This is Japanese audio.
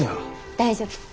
大丈夫。